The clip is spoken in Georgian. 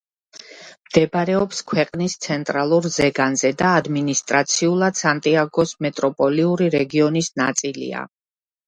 მდებარეობს ქვეყნის ცენტრალურ ზეგანზე და ადმინისტრაციულად სანტიაგოს მეტროპოლიური რეგიონის ნაწილია.